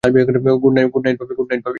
Good night, ভাবি!